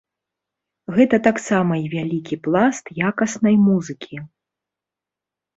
Гэта таксама і вялікі пласт якаснай музыкі.